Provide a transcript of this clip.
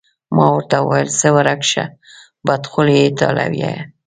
ما ورته وویل: ځه ورک شه، بدخولې ایټالویه.